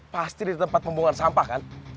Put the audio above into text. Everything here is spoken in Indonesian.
pasti di tempat pembuangan sampah kan